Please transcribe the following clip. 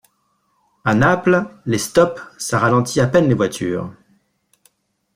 A Naples, les stop ça ralentit à peine les voitures.